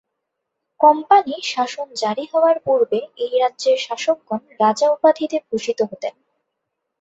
Company শাসন জারি হওয়ার পূর্বে এই রাজ্যের শাসকগণ রাজা উপাধিতে ভূষিত হতেন।